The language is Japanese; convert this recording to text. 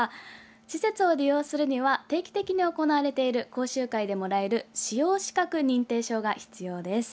施設を利用するには定期的に行われている講習会でもらえる使用資格認定証が必要です。